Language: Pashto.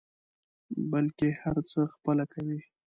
بلکې هر څه خپله کوي.